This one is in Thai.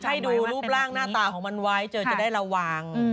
ใช่ดูรูปร่างหน้าตาของมันไว้เจอจะได้ระวัง